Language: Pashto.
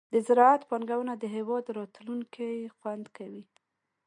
د زراعت پانګونه د هېواد راتلونکې خوندي کوي.